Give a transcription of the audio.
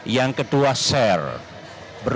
yang kedua share